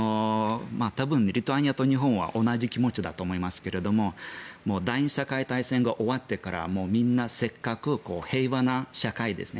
多分、リトアニアと日本は同じ気持ちだと思いますが第２次世界大戦が終わってからみんなせっかく平和な社会ですね